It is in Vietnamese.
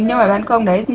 chuyển đến ngày tháng